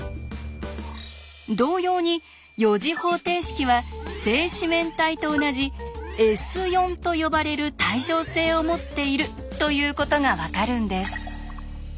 同様に４次方程式は正四面体と同じ「Ｓ」と呼ばれる対称性を持っているということが分かるんです。